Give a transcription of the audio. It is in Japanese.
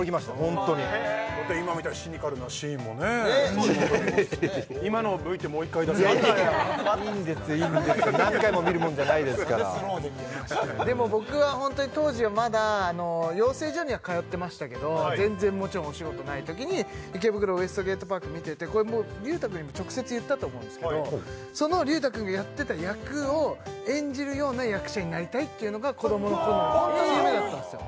ホントに今みたいなシニカルなシーンもねいやいや今のＶってもう１回出せますかいやいやいいんですいいんです何回も見るもんじゃないですからでも僕はホントに当時はまだ養成所には通ってましたけど全然もちろんお仕事ない時に「池袋ウエストゲートパーク」見ててこれもう隆太君にも直接言ったと思うんですけどその隆太君がやってた役を演じるような役者になりたいっていうのが子どもの頃ホントに夢だったんですよ